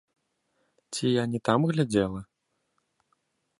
Ці я не там глядзела?